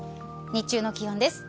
日中の気温です。